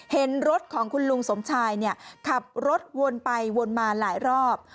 เห็นรถของคุณลุงสมชายขับรถวนไปวนมาหลายรอบ